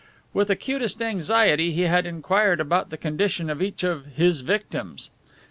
With acutest anxiety he had inquired about the condition of each of "his victims."